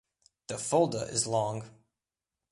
The Fulda is long.